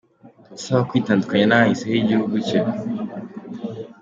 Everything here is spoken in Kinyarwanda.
uwusaba kwitandukanya n’ahahise h’igihugu cye.